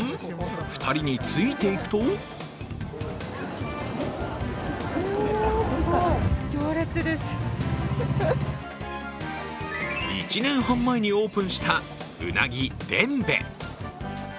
２人について行くと１年半前にオープンしたうなぎ傳米。